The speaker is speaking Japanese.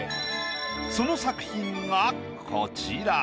その作品がこちら。